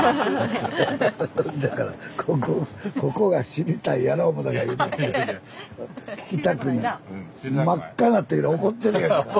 だからここが知りたいやろ思たから。